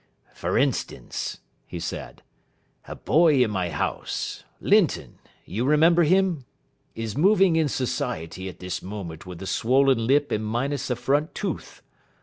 "For instance," he said, "a boy in my house, Linton you remember him? is moving in society at this moment with a swollen lip and minus a front tooth.